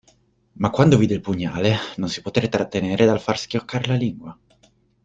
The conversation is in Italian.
Ma quando vide il pugnale, non si poté trattenere dal far schioccare la lingua.